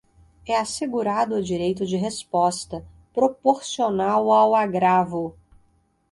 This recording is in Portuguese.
é assegurado o direito de resposta, proporcional ao agravo